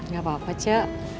gak apa apa ce